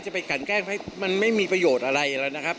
จะไปกันแกล้งมันไม่มีประโยชน์อะไร